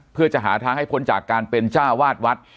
เพื่อจะหาทางให้พ้นจากการเป็นเจ้าวาดวัด